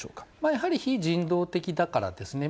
やはり非人道的だからですね。